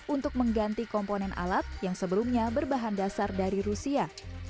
untuk mengganti komponen alat yang sebelumnya berbahan dasar dari rusia